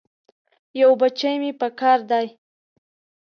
یو بچی مې پکار دی.